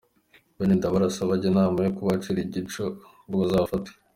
Bene Ndabarasa bajya inama yo kubacira igico ngo bazabafate.